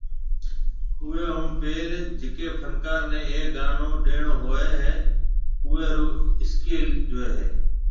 اوئي ھونپيل جڪي فنڪار ني اي گانو ڏيڻو ھوئي ھيَََ اوئي رو اسڪيل جوئي ھيَََ